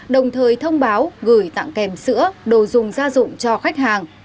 đồng thời thông báo gửi tặng kèm sữa đồ dùng gia dụng cho khách hàng